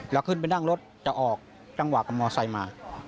แล้วขึ้นไปนั่งรถจะออกจังหวะกับมอไซค์มา